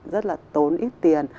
rất là tốn ít tiền